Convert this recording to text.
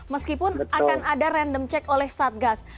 meskipun akan ada random check oleh saat gas